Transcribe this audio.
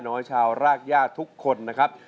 น้อยชาวรากยากทุกคนนะครับ